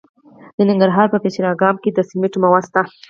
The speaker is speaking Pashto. د ننګرهار په پچیر اګام کې د سمنټو مواد شته.